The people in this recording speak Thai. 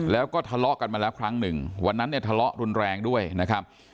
แล้วก็ทะเลาะกันมาแล้วครั้งหนึ่งวันนั้นเนี่ยทะเลาะรุนแรงด้วยนะครับ